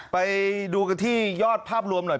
ไปดูกันที่ยอดภาพรวมหน่อย